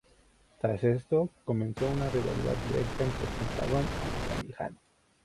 Tras esto, comenzó una rivalidad directa entre Pentagón y Callihan.